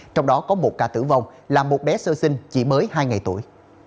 trong đó có một ca tử vong là một bé sơ sinh chỉ mới hai ngày tuổi